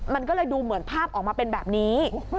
มันก็เลยดูเหมือนภาพออกมาเป็นแบบนี้